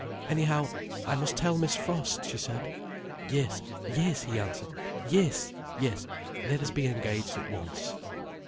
"Anyhow I must tell Miss Frost," she said. "Yes, yes," he answered. "Yes, yes. Let us be engaged at once."